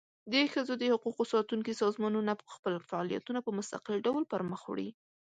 د ښځو د حقوقو ساتونکي سازمانونه خپل فعالیتونه په مستقل ډول پر مخ وړي.